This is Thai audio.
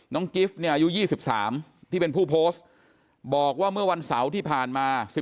กิฟต์เนี่ยอายุ๒๓ที่เป็นผู้โพสต์บอกว่าเมื่อวันเสาร์ที่ผ่านมา